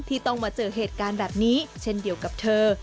ต้องมาเจอเหตุการณ์แบบนี้เช่นเดียวกับเธอ